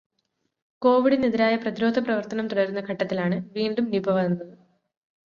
കോവിഡിനെതിരായ പ്രതിരോധ പ്രവര്ത്തനം തുടരുന്ന ഘട്ടത്തിലാണ് വീണ്ടും നിപ വന്നത്.